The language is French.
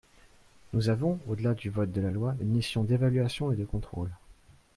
Nous avons, au-delà du vote de la loi, une mission d’évaluation et de contrôle.